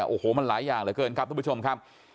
โอ้โหมันหลายอย่างเหลือเกินครับทุกผู้ชมครับ